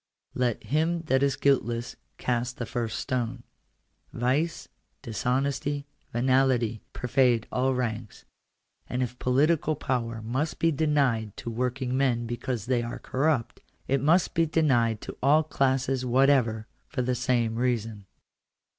Let him that is guiltless cast the first stone. Vice, dishonesty, venality, pervade all ranks ; and if political power must be denied to working men because they are corrupt, it must be denied to all classes whatever for the same reason.